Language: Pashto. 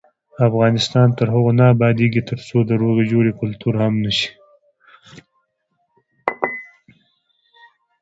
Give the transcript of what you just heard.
افغانستان تر هغو نه ابادیږي، ترڅو د روغې جوړې کلتور عام نشي.